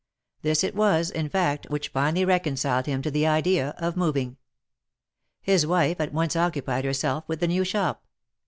This it was, in fact, which finally reconciled him to the idea of moving. His wife at once occupied herself with the new shop.